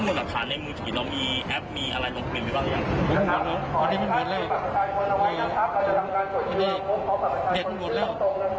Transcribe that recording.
หรือบ้างอย่างเหมือนเลยเพราะทุกรายเรียกเห็นหมดแล้ว